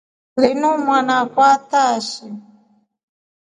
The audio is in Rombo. Linu mwanaakwa antaashi.